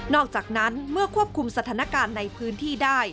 อกจากนั้นเมื่อควบคุมสถานการณ์ในพื้นที่ได้